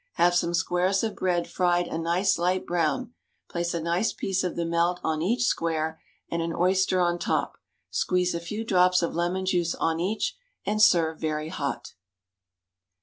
Have some squares of bread fried a nice light brown; place a nice piece of the melt on each square, and an oyster on top; squeeze a few drops of lemon juice on each, and serve very hot.